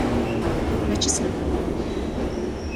Mačči s lebɣi-iw.